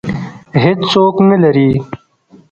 هېڅوک نه لري